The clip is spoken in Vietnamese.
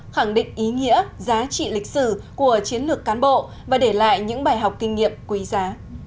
khẳng định ý nghĩa giá trị lịch sử của chiến lược cán bộ và để lại những bài học kinh nghiệm quý giá